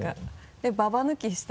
ババ抜きしてて。